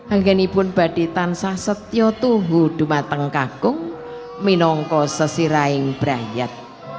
angin ibu baditan saset yo tuhu dumateng kagum minongko sesiraing brayat